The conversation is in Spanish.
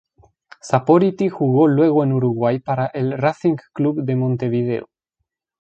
Saporiti jugó luego en Uruguay para el Racing Club de Montevideo.